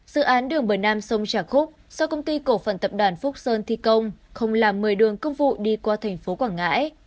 dự án đường bờ nam sông trà khúc do công ty cổ phần tập đoàn phúc sơn thi công không làm một mươi đường công vụ đi qua thành phố quảng ngãi